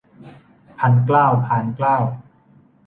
พันเกล้า พานเกล้า